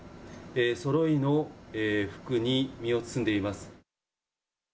そろいの服に身を包んでいます。